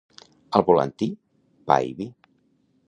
Al volantí, pa i vi.